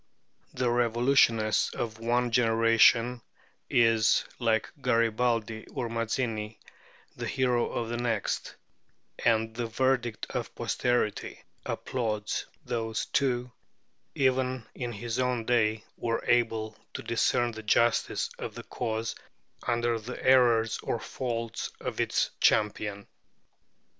The revolutionist of one generation is, like Garibaldi or Mazzini, the hero of the next; and the verdict of posterity applauds those who, even in his own day, were able to discern the justice of the cause under the errors or faults of its champion.